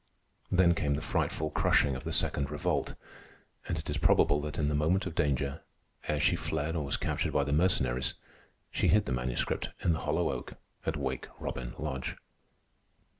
Then came the frightful crushing of the Second Revolt, and it is probable that in the moment of danger, ere she fled or was captured by the Mercenaries, she hid the Manuscript in the hollow oak at Wake Robin Lodge.